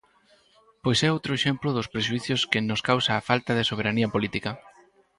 Pois é outro exemplo dos prexuízos que nos causa a falta de soberanía política.